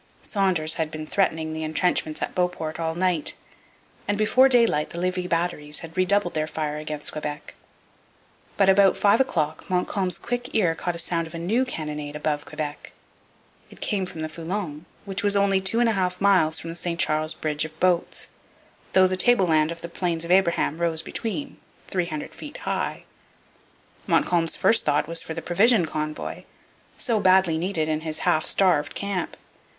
Saunders had been threatening the entrenchments at Beauport all night, and before daylight the Levis batteries had redoubled their fire against Quebec. But about five o'clock Montcalm's quick ear caught the sound of a new cannonade above Quebec. It came from the Foulon, which was only two miles and a half from the St Charles bridge of boats, though the tableland of the Plains of Abraham rose between, three hundred feet high. Montcalm's first thought was for the provision convoy, so badly needed in his half starved camp.